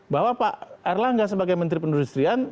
bahwa pak erlangga sebagai menteri penduduk serian